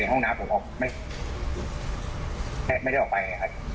เพราะว่าผมอยู่ในห้องน้ำผมไม่ได้ออกไป